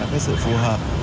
cái sự phù hợp